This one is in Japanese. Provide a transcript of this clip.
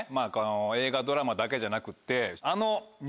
映画ドラマだけじゃなくって。